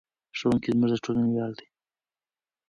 ښوونکي زموږ د ټولنې ویاړ دي.